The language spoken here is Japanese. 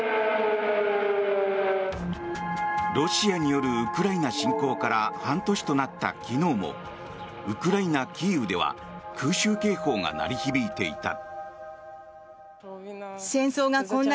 ロシアによるウクライナ侵攻から半年となった昨日もウクライナ・キーウでは空襲警報が鳴り響いていた。